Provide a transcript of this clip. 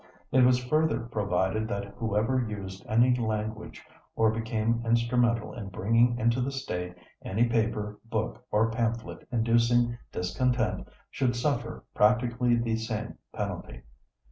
It was further provided that whoever used any language or became instrumental in bringing into the State any paper, book or pamphlet inducing discontent should suffer practically the same penalty.